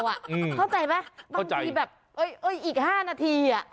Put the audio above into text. เข้าใจไหมบางทีแบบอีก๕นาที